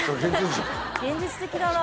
現実的だな。